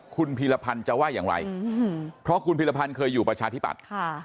คุณพีรพันธ์จะว่าอย่างไรเพราะคุณพิรพันธ์เคยอยู่ประชาธิบัติ